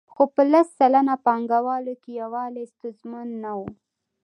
خو په لس سلنه پانګوالو کې یووالی ستونزمن نه وو